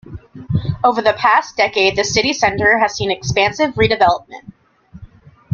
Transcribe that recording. Over the past decade the city Centre has seen expansive redevelopment.